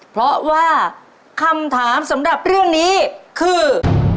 เพราะว่าคำถามสำหรับเรื่องนี้คือ